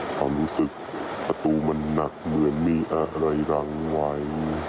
ความรู้สึกประตูมันหนักเหมือนมีอะไรรังไว้